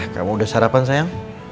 kamu udah sarapan sayang